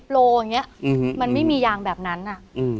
๘๐โลยีมันไม่มียางแบบนั้นอือ